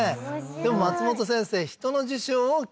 でも松本先生。